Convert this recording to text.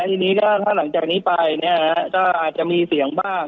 ทีนี้ก็ถ้าหลังจากนี้ไปเนี่ยก็อาจจะมีเสียงบ้าง